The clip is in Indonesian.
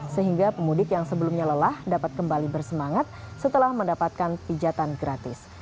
sehingga pemudik yang sebelumnya lelah dapat kembali bersemangat setelah mendapatkan pijatan gratis